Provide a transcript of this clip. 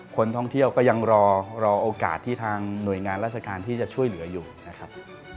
คนท่องเที่ยวก็ยังรอโอกาสที่ทางหน่วยงานราชการที่จะช่วยเหลืออยู่นะครับ